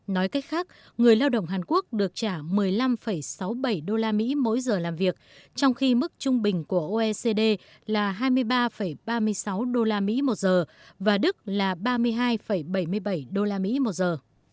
nói cách khác người lao động hàn quốc được trả một mươi năm sáu mươi bảy đô la mỹ mỗi giờ làm việc trong khi mức trung bình của oecd là hai mươi ba ba mươi sáu đô la mỹ một giờ và đức là ba mươi hai bảy mươi bảy đô la mỹ một giờ